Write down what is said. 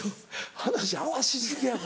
話合わし過ぎや。